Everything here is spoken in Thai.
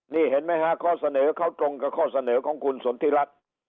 นี่เห็นมั้ย๕ข้อเสนอเข้าตรงกับข้อเสนอกับคุณสนธิรัตน์